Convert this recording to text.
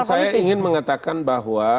saya ingin mengatakan bahwa